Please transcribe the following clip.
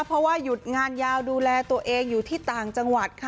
เพราะว่าหยุดงานยาวดูแลตัวเองอยู่ที่ต่างจังหวัดค่ะ